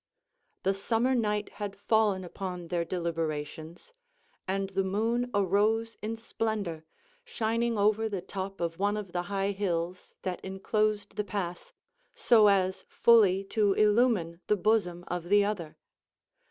The summer night had fallen upon their deliberations, and the moon arose in splendor, shining over the top of one of the high hills that inclosed the pass, so as fully to illumine the bosom of the other.